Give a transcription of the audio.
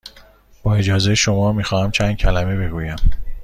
با اجازه شما، می خواهم چند کلمه بگویم.